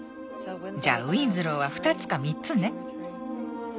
じゃあウィンズローは２つか３つね。